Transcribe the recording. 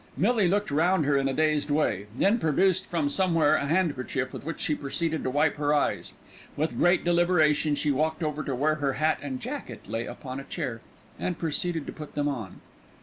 Millie looked round her in a dazed way, then produced from somewhere a handkerchief, with which she proceeded to wipe her eyes. With great deliberation she walked over to where her hat and jacket lay upon a chair and proceeded to put them on.